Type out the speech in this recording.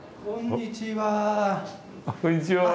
こんにちは。